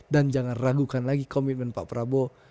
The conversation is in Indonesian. dan jangan ragukan lagi komitmen pak prabowo